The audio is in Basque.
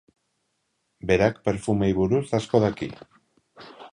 Berak perfumeei buruz asko daki.